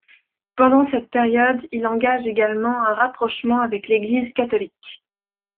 Pendant cette période il engage également un rapprochement avec l'Église Catholique.